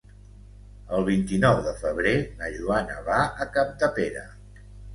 El vint-i-nou de febrer na Joana va a Capdepera.